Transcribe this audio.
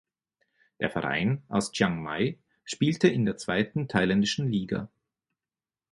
Der Verein aus Chiangmai spielte in der zweiten thailändischen Liga.